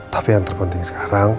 tapi yang terpenting sekarang